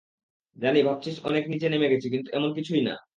জানি, ভাবছিস অনেক নিচে নেমে গেছি, কিন্তু এমন কিছুই না।